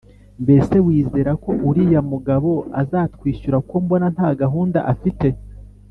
mbese wizerako uriya mugabo azatwishyura ko mbona ntagahunda afite